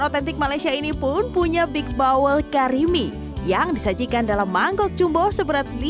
estetik malaysia ini pun punya big bowl kari mie yang disajikan dalam mangkuk jumbo seberat